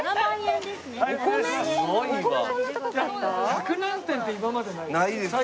百何点って今までないよね。